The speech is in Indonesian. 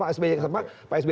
pak sby penasihat hukumnya